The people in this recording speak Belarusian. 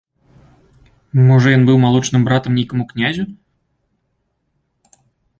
Можа, ён быў малочным братам нейкаму князю?